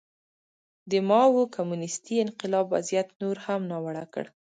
د ماوو کمونېستي انقلاب وضعیت نور هم ناوړه کړ.